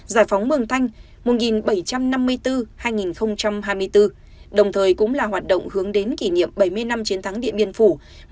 giải phóng mường thanh một nghìn bảy trăm năm mươi bốn hai nghìn hai mươi bốn đồng thời cũng là hoạt động hướng đến kỷ niệm bảy mươi năm chiến thắng điện biên phủ một nghìn chín trăm năm mươi bốn hai nghìn hai mươi bốn